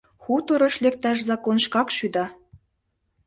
Хуторыш лекташ закон шкак шӱда.